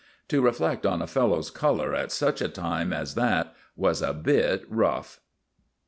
To reflect on a fellow's color at such a time as that was a bit rough."